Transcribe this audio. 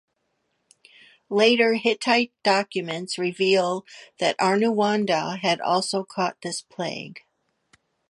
Later Hittite documents reveal that Arnuwanda had also caught this plague.